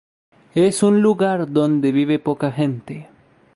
Es un lugar donde vive poca gente.